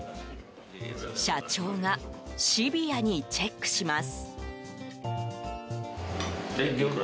社長がシビアにチェックします。